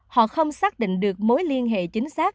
họ không xác định được mối liên hệ chính xác